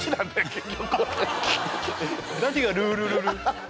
結局何が「ルールルル」？